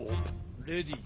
レディー